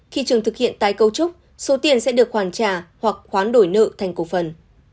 khi trường thực hiện tái cấu trúc số tiền sẽ được hoàn trả hoặc hoán đổi nợ thành cổ phần